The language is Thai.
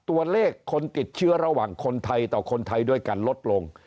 ตัวเลขคนติดเชื้อระหว่างคนไทยต่อคนไทยด้วยกันลดลง